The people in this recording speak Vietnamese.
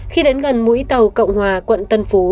khi đến gần mũi tàu cộng hòa quận tân phú